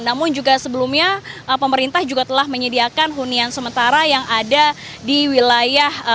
namun juga sebelumnya pemerintah juga telah menyediakan hunian sementara yang ada di wilayah